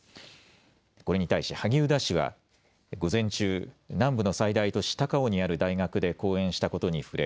これに対し萩生田氏は午前中、南部の最大都市、高雄にある大学で講演したことに触れ